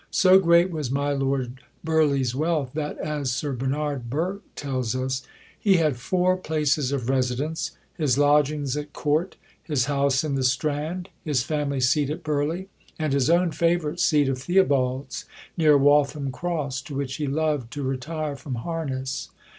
So great was my Lord Burleigh's wealth that, as Sir Bernard Burke tells us, "he had four places of residence his lodgings at Court, his house in the Strand, his family seat at Burleigh, and his own favourite seat of Theobalds, near Waltham Cross, to which he loved to retire from harness.